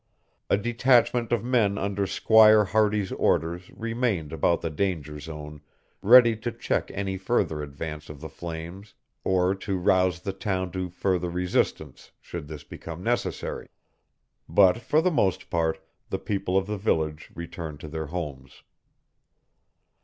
A detachment of men under Squire Hardy's orders remained about the danger zone ready to check any further advance of the flames or to rouse the town to further resistance should this become necessary. But for the most part the people of the village returned to their homes.